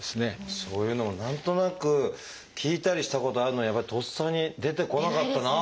そういうのを何となく聞いたりしたことあるのにやっぱりとっさに出てこなかったなあ。